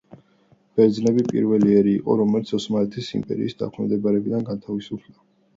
ბერძნები პირველი ერი იყო, რომელიც ოსმალეთის იმპერიის დაქვემდებარებიდან გათავისუფლდა.